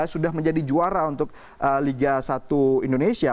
sudah menjadi juara untuk liga satu indonesia